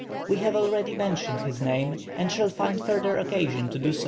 We have already mentioned his name, and shall find further occasion to do so.